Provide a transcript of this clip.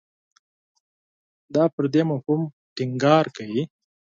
دا پر دې مفهوم ټینګار کوي.